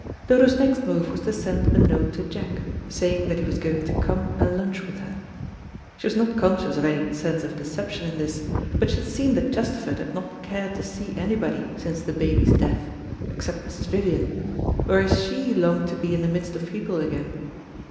Dodo's next move was to send a note to Jack, saying that he was going to come and lunch with her. She was not conscious of any sense of deception in this, but she had seen that Chesterford had not cared to see anybody since the baby's death, except Mrs. Vivian, whereas she longed to be in the midst of people again.